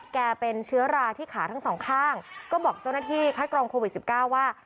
เป็นเชื้อราที่ขาทั้งสองข้างก็บอกเจ้าหน้าที่คัดกรองโควิดสิบเก้าว่า